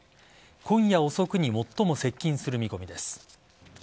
今夜遅くに最も接近する見込みです。